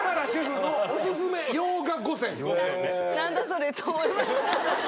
何だそれと思いました。